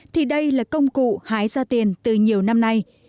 thì đây là công cụ hái ra tiền từ nhiều năm nay